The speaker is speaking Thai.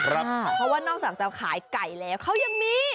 เพราะว่านอกจากจะขายไก่แล้วเขายังมี